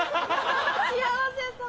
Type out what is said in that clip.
幸せそう！